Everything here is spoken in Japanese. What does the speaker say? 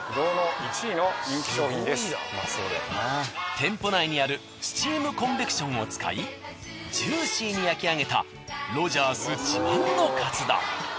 店舗内にあるスチームコンベクションを使いジューシーに焼きあげたロヂャース自慢のカツ丼。